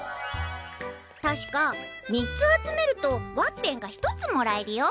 たしか３つ集めるとワッペンが１つもらえるよ。